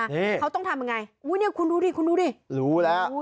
อืมเขาต้องทำยังไงอุ้ยเนี้ยคุณดูดิคุณดูดิรู้แล้วอุ้ย